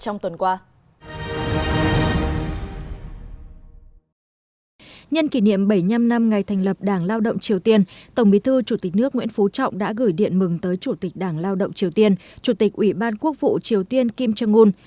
năm hai nghìn năm ngày thành lập đảng lao động triều tiên tổng bí thư chủ tịch nước nguyễn phú trọng đã gửi điện mừng tới chủ tịch đảng lao động triều tiên chủ tịch ủy ban quốc vụ triều tiên kim trương nguồn